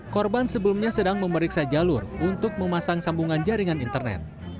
korban sebelumnya sedang memeriksa jalur untuk memasang sambungan jaringan internet